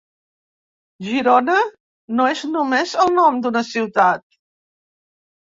"Girona" no és només el nom d'una ciutat.